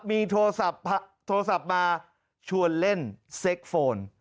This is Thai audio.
มีโทรศัพท์มาชวนเล่นเซ็กโฟน